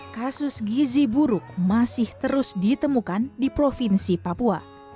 kasus gizi buruk masih terus ditemukan di provinsi papua